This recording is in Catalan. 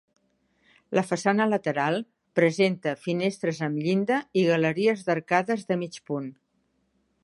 La façana lateral presenta finestres amb llinda i galeries d'arcades de mig punt.